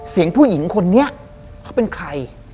ผู้หญิงคนนี้เขาเป็นใคร